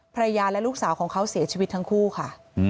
ภรรยาและลูกสาวของเขาเสียชีวิตทั้งคู่ค่ะ